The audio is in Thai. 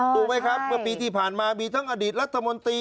ตรูไหมครับปีที่ผ่านมามีทั้งอดีตรัฐมนตรี